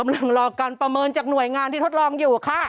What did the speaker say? รอการประเมินจากหน่วยงานที่ทดลองอยู่ค่ะ